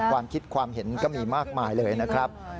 ความคิดความเห็นก็มีมากมายเลยนะครับ